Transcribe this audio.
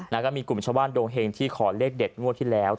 แล้วก็มีกลุ่มชาวบ้านดวงเฮงที่ขอเลขเด็ดงวดที่แล้ว